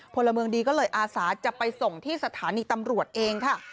พลเมืองดีก็เลยอาสาจะไปส่งที่สถานีตำรวจเองค่ะ